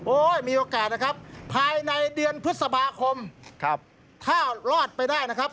มีโอกาสนะครับภายในเดือนพฤษภาคมครับถ้ารอดไปได้นะครับ